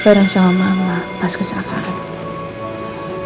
bareng sama mama pas kecelakaan